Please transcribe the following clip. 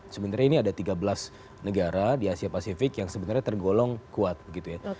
sebenarnya ini ada tiga belas negara di asia pasifik yang sebenarnya tergolong kuat gitu ya